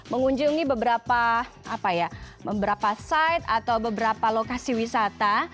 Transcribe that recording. mengunjungi beberapa site atau beberapa lokasi wisata